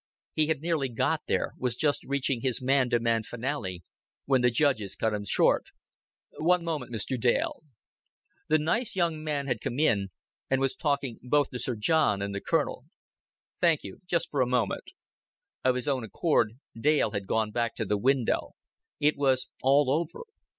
He had nearly got there, was just reaching his man to man finale, when the judges cut him short. "One moment, Mr. Dale." The nice young man had come in, and was talking both to Sir John and the Colonel. "Thank you. Just for a moment." Of his own accord Dale had gone back to the window. It was all over.